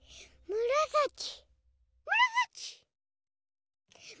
むらさき！